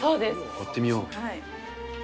割ってみよう。